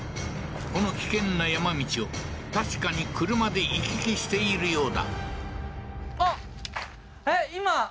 この危険な山道を確かに車で行き来しているようだ